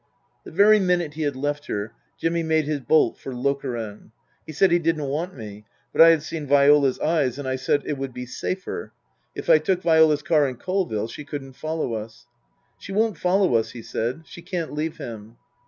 The very minute he had left her Jimmy made his bolt for Lokeren. He said he didn't want me ; but I had seen Viola's eyes, and I said it would be safer. If I took Viola's car and Colville, she couldn't follow us. " She won't follow us," he said. " She can't leave him."